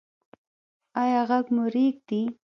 ایا غږ مو ریږدي؟